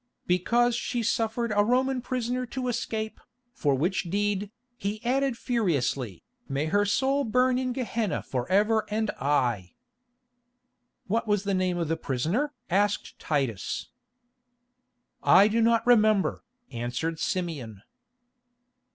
"Because she suffered a Roman prisoner to escape, for which deed," he added furiously, "may her soul burn in Gehenna for ever and aye!" "What was the name of the prisoner?" asked Titus. "I do not remember," answered Simeon.